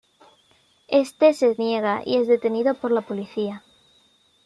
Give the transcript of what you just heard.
Éste se niega y es detenido por la policía.